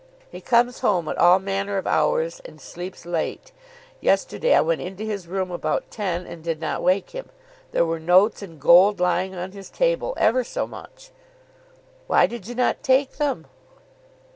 He comes home at all manner of hours and sleeps late. Yesterday I went into his room about ten and did not wake him. There were notes and gold lying on his table; ever so much." "Why did you not take them?"